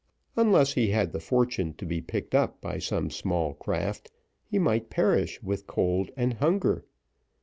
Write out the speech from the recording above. Unless he had the fortune to be picked up by some small craft, he might perish with cold and hunger.